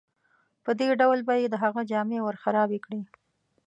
په دې ډول به یې د هغه جامې ورخرابې کړې.